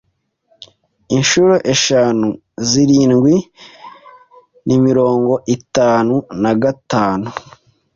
Inshuro eshanu zirindwi ni mirongo itatu na gatanu.